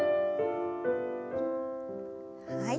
はい。